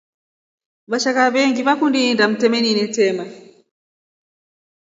Vashaka venyengi vakundi iinda mtemi itema.